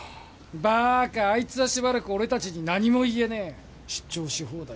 バーカあいつはしばらく俺達に何も言えねえ出張し放題